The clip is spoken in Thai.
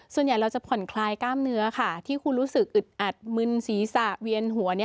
ส่วนใหญ่เราจะผ่อนคลายกล้ามเนื้อค่ะที่คุณรู้สึกอึดอัดมึนศีรษะเวียนหัว